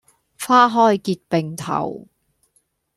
花開結並頭